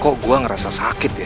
kok gue ngerasa sakit ya